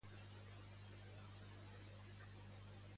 Quin dia és la meva visita amb el doctor González a la Dexeus?